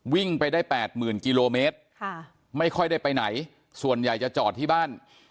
วิ่งไปได้๘๐๐๐กิโลเมตรไม่ค่อยได้ไปไหนส่วนใหญ่จะจอดที่บ้าน